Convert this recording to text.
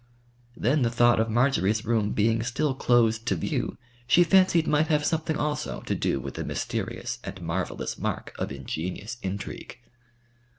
Then the thought of Marjory's room being still closed to view she fancied might have something also to do with the mysterious and marvellous mark of ingenious intrigue.